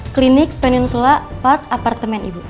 klinik venusela park apartemen ibu